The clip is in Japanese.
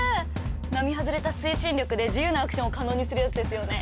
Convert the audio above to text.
並外れた推進力で自由なアクションを可能にするやつですよね？